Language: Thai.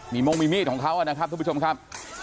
มีมงมีมีดของเขานะครับทุกผู้ชมครับ